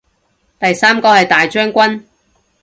第三個係大將軍